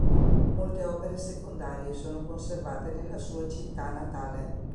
Molte opere secondarie sono conservate nella sua città natale.